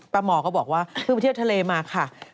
หมอก็บอกว่าเพิ่งไปเที่ยวทะเลมาค่ะ